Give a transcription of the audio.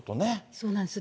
そうなんですよ。